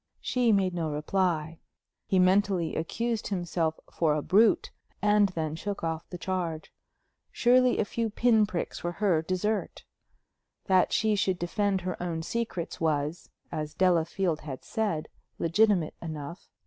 She made no reply. He mentally accused himself for a brute, and then shook off the charge. Surely a few pin pricks were her desert! That she should defend her own secrets was, as Delafield had said, legitimate enough.